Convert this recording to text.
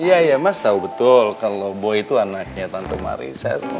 iya ya mas tahu betul kalau boy itu anaknya tante marissa